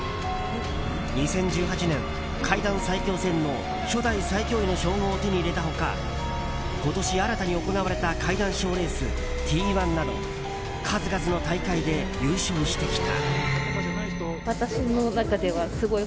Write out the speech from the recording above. ２０１８年、怪談最恐戦の初代最恐位の称号を手に入れた他今年新たに行われた怪談賞レースＴ‐１など数々の大会で優勝してきた。